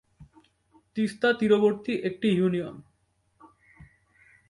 তিস্তা তীরবর্তী একটি ইউনিয়ন।